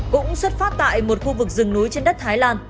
cũng xuất phát tại một khu vực rừng núi trên đất thái lan